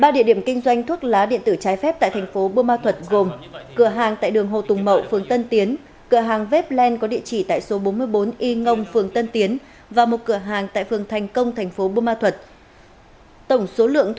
ba địa điểm kinh doanh thuốc lá điện tử trái phép tại thành phố bơ ma thuật gồm cửa hàng tại đường hồ tùng mậu phương tân tiến cửa hàng webland có địa chỉ tại số bốn mươi bốn y ngông phương tân tiến và một cửa hàng tại phương thành công thành phố bơ ma thuật